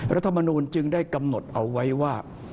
รัฐมนูลจึงได้กำหนดเอาไว้ว่า